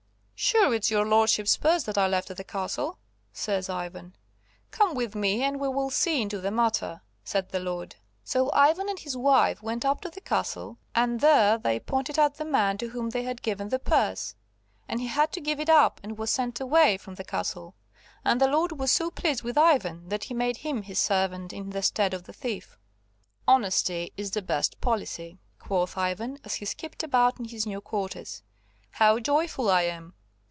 "Sure, it's your lordship's purse that I left at the castle," says Ivan. "Come with me and we will see into the matter," said the lord. So Ivan and his wife went up to the castle, and there they pointed out the man to whom they had given the purse, and he had to give it up and was sent away from the castle. And the lord was so pleased with Ivan that he made him his servant in the stead of the thief. "Honesty's the best policy!" quoth Ivan, as he skipped about in his new quarters. "How joyful I am!"